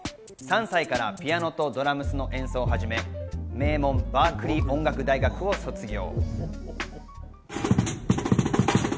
３歳からピアノとドラムスの演奏をはじめ、名門・バークリー音楽大学を卒業。